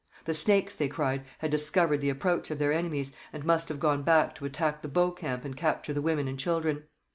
The Snakes, they cried, had discovered the approach of their enemies, and must have gone back to attack the Bow camp and capture the women and children.